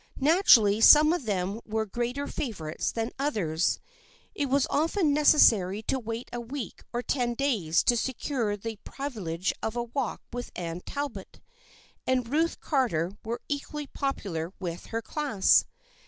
Naturally some of them were greater favorites than others. It was often neces sary to wait a week or ten days to secure the privi lege of a walk with Anne Talbot, and Ruth Carter was equally popular with her class.